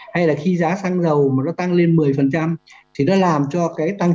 hay là khi giá xăng dầu mà nó tăng lên một mươi thì nó làm cho cái tăng